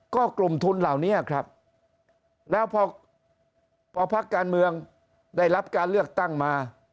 ก็กลุ่มทุนเหล่านี้ครับแล้วพอพักการเมืองได้รับการเลือกตั้งมา